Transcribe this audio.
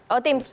oh tim selnya